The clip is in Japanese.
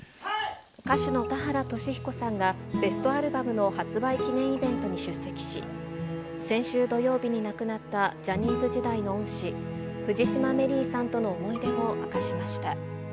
歌手の田原俊彦さんが、ベストアルバムの発売記念イベントに出席し、先週土曜日に亡くなったジャニーズ時代の恩師、藤島メリーさんとの思い出を明かしました。